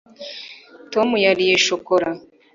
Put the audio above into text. tom yariye shokora